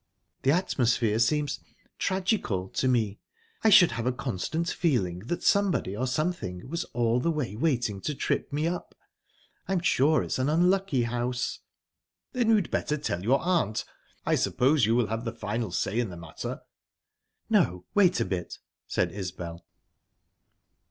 The atmosphere seems tragical to me. I should have a constant feeling that somebody or something was all the way waiting to trip me up. I'm sure it's an unlucky house." "Then you'd better tell your aunt. I suppose you will have the final say in the matter." "No, wait a bit," said Isbel.